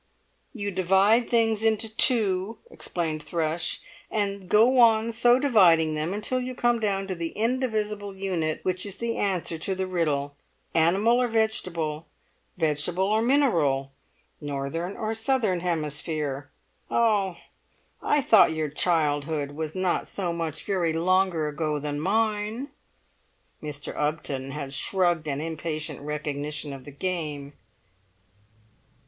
"You divide things into two," explained Thrush, "and go on so dividing them until you come down to the indivisible unit which is the answer to the riddle. Animal or Vegetable? Vegetable or Mineral? Northern or Southern Hemisphere? Ah! I thought your childhood was not so very much longer ago than mine." Mr. Upton had shrugged an impatient recognition of the game.